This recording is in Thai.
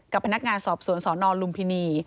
กับพนักงานสอบสวนสนลุมพินี